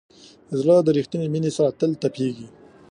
زړه د ریښتینې مینې سره تل تپېږي.